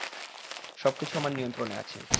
সবকিছু আমার নিয়ন্ত্রণে আছে।